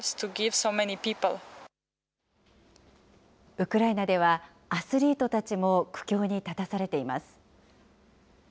ウクライナでは、アスリートたちも苦境に立たされています。